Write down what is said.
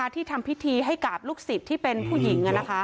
ที่ทำพิธีให้กับลูกศิษย์ที่เป็นผู้หญิง